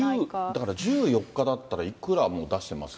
だからもう１４日だったら、いくら出してます？